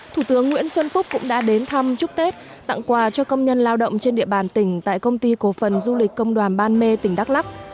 thủ tướng nguyễn xuân phúc cũng đã đến thăm chúc tết tặng quà cho công nhân lao động trên địa bàn tỉnh tại công ty cổ phần du lịch công đoàn ban mê tỉnh đắk lắc